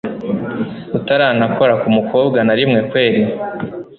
utaranakora kumukobwa narimwe kweli